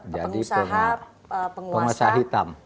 tapi pengusaha penguasa hitam